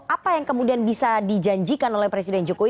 apa yang kemudian bisa dijanjikan oleh presiden jokowi